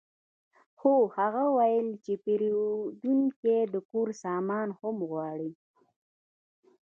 خو هغه وویل چې پیرودونکی د کور سامان هم غواړي